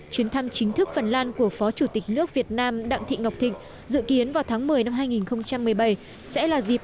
chuyến thăm chính thức phần lan của phó chủ tịch nước việt nam đặng thị ngọc thịnh dự kiến vào tháng một mươi năm hai nghìn một mươi bảy